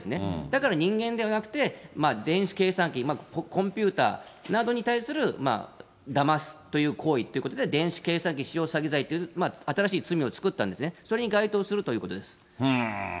だから人間ではなくて、電子計算機、コンピュータなどに対するだますという行為ということで、電子計算機使用詐欺罪という新しい罪を作ったんですね。